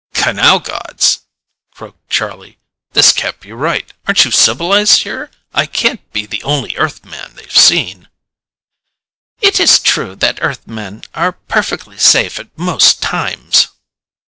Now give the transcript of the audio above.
"Canal gods!" croaked Charlie. "This can't be right! Aren't you civilized here? I can't be the only Earthman they've seen!" "It is true that Earthmen are perfectly safe at most times."